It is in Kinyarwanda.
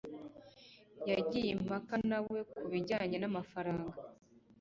yagiye impaka na we ku bijyanye n'amafaranga